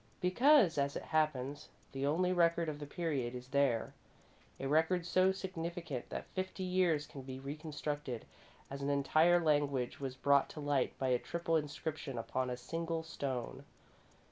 Because, as it happens, the only record of the period is there a record so significant that fifty years can be reconstructed, as an entire language was brought to light by a triple inscription upon a single stone.